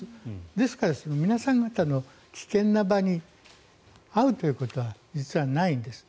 ですから、皆さん方が危険な目に遭うことは実はないんです。